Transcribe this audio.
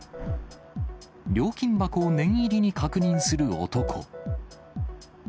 料金箱を念入りに確認する男。